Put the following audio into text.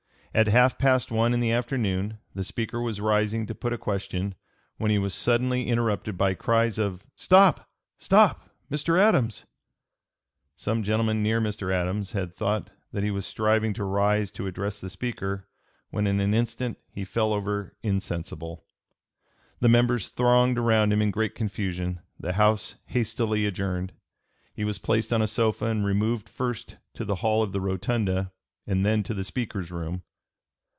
At half past one in the afternoon the Speaker was rising to put a question, when he was suddenly interrupted by cries of "Stop! Stop! Mr. Adams!" Some gentlemen near Mr. Adams had thought that he was striving to rise to address the Speaker, when in an instant he fell over insensible. The members thronged around him in great confusion. The House hastily adjourned. He was placed on a sofa and removed first to the hall of the rotunda and then to the Speaker's room.